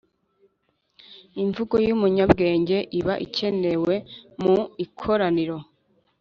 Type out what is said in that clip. Imvugo y’umunyabwenge iba ikenewe mu ikoraniro,